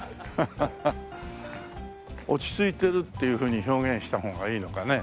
落ち着いてるっていうふうに表現した方がいいのかね。